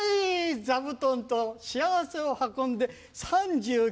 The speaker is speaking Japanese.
座布団と幸せを運んで３９年。